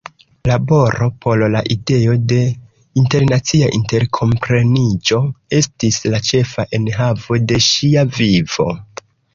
Laboro por la ideo de internacia interkompreniĝo estis la ĉefa enhavo de ŝia vivo.